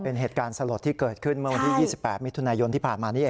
เป็นเหตุการณ์สลดที่เกิดขึ้นเมื่อวันที่๒๘มิถุนายนที่ผ่านมานี่เอง